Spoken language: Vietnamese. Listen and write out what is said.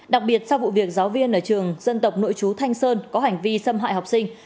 đặc biệt sau vụ việc giáo viên ở trường dân tộc nội chú thanh sơn có hành vi xâm hại học sinh